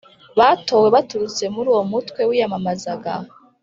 Batowe baturutse muri uwo mutwe wiyamamazaga